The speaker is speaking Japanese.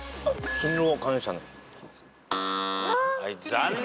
残念！